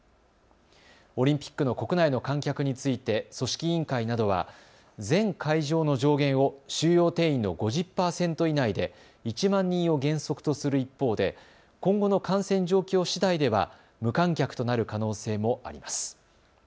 オリンピックの国内の観客について組織委員会などは全会場の上限を収容定員の５０％以内で１万人を原則とする一方で今後の感染状況しだいでは無観客となる可能性もあります。